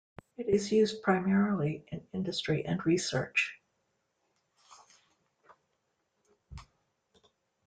It is used primarily in industry and research.